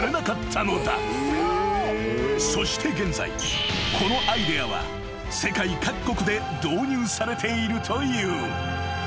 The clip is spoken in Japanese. ［そして現在このアイデアは世界各国で導入されているという］